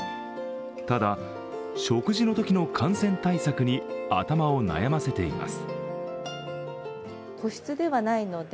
ただ、食事のときの感染対策に頭を悩ませています。